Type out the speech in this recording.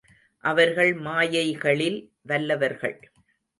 அவர்கள் மாயைகளில் வல்லவர்கள்.